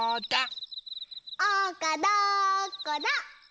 ・おうかどこだ？